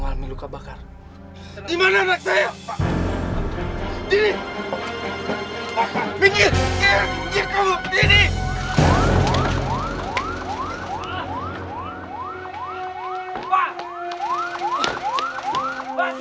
kalian gak usah banyak tau deh gak usah banyak tanya